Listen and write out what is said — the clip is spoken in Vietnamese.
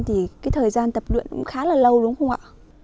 thì cái thời gian tập luyện cũng khá là lâu đúng không ạ